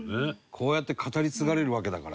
こうやって語り継がれるわけだからね